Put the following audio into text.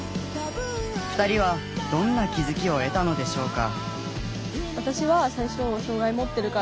２人はどんな気づきを得たのでしょうか。